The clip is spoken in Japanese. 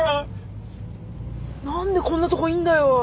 何でこんなとこいんだよ。